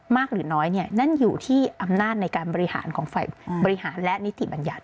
หรือน้อยนั่นอยู่ที่อำนาจในการบริหารของฝ่ายบริหารและนิติบัญญัติ